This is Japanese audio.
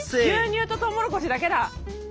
牛乳とトウモロコシだけだ！